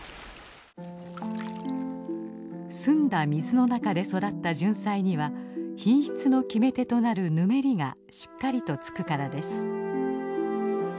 澄んだ水の中で育ったジュンサイには品質の決め手となる「ぬめり」がしっかりとつくからです。